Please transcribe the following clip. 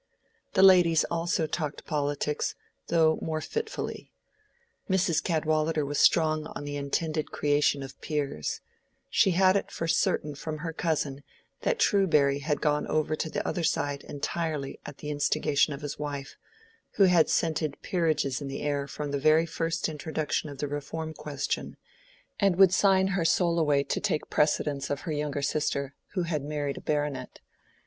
The ladies also talked politics, though more fitfully. Mrs. Cadwallader was strong on the intended creation of peers: she had it for certain from her cousin that Truberry had gone over to the other side entirely at the instigation of his wife, who had scented peerages in the air from the very first introduction of the Reform question, and would sign her soul away to take precedence of her younger sister, who had married a baronet.